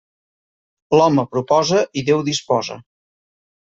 L'home proposa i Déu disposa.